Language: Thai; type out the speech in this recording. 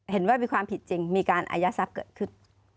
เห็นว่ามีความผิดจริงมีการอายัดทรัพย์เกิดขึ้น